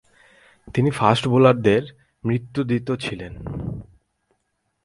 তিনি ফাস্ট বোলারদের মৃত্যুদূত ছিলেন।